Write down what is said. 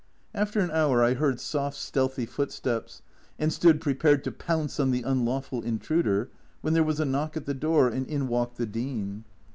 After an hour I heard soft stealthy footsteps, and stood prepared to pounce on the unlawful intruder when there was a knock at the door and in walked the Dean.